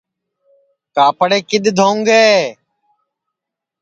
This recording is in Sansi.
کاپڑے کِدؔ دھوں گے